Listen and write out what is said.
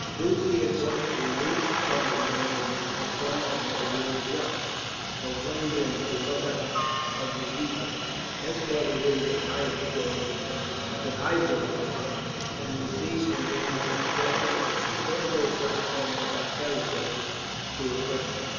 "Bussy at once released from confinement a son of Nazir Jung, proclaimed him Subadar of the Deccan, escorted him to Hyderabad, and received from him the cession of considerable fresh grants of territory to the French.